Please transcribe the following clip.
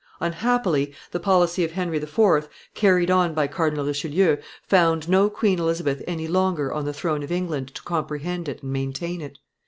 Unhappily the policy of Henry IV., carried on by Cardinal Richelieu, found no Queen Elizabeth any longer on the throne of England to comprehend it and maintain it.